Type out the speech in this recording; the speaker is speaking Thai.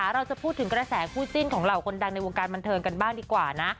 เราจะพูดถึงกระแสคู่จิ้นของเหล่าคนดังในวงการบันเทิงกันบ้างดีกว่านะ